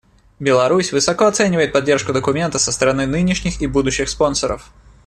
Беларусь высоко оценивает поддержку документа со стороны нынешних и будущих спонсоров.